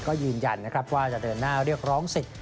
ก็ยืนยันนะครับว่าจะเดินหน้าเรียกร้องสิทธิ